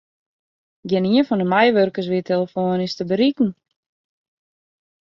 Gjinien fan de meiwurkers wie telefoanysk te berikken.